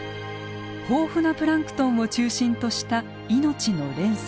豊富なプランクトンを中心とした命の連鎖。